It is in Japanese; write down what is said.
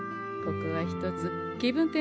ここはひとつ気分